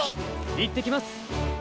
いってきます！